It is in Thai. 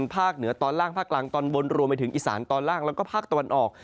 ภาคเหนือตอนล่างภาคกลางตอนบนรวมไปถึงอีสานตอนล่างแล้วก็ภาคตะวันออก